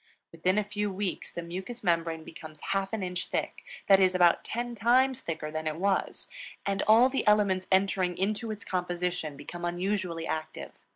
Within a few weeks the mucous membrane becomes half an inch thick, that is, about ten times thicker than it was; and all the elements entering into its composition, become unusually active.